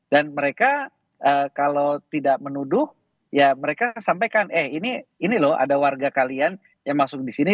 dan mereka kalau tidak menuduh ya mereka sampaikan eh ini loh ada warga kalian yang masuk di sini